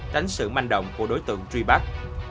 tránh sự manh động của đối tượng truy bắt